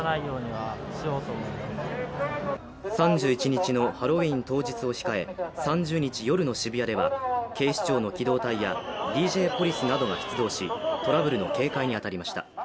３１日のハロウィーン当日を控え３０日夜の渋谷では警視庁の機動隊やＤＪポリスなどが出動し、トラブルの警戒に当たりました。